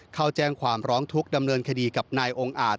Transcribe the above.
เข้าแจ้งความร้องทุกข์ดำเนินคดีกับนายองค์อาจ